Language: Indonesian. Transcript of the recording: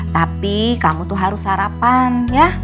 tapi kamu tuh harus sarapan ya